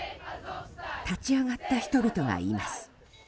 立ち上がった人々がいます。